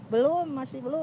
belum masih belum